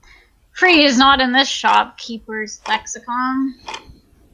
Free, is not in this shop keepers lexicon.